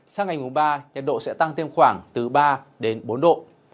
sang ngày mùng ba nhiệt độ sẽ tăng thêm khoảng từ ba đến bốn độ